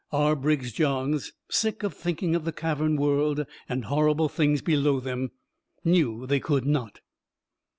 R. Briggs Johns, sick of thinking of the cavern world and horrible things below them, knew they could not.